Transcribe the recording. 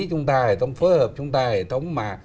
chúng ta hệ thống phối hợp chúng ta hệ thống mà